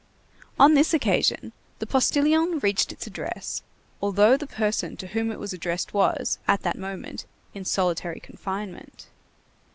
On this occasion, the postilion reached its address, although the person to whom it was addressed was, at that moment, in solitary confinement.